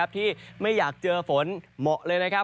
ที่ไม่อยากเจอฝนเหมาะเลยนะครับ